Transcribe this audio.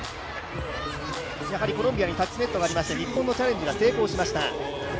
やはりコロンビアにタッチネットがありまして日本のチャレンジが成功しました。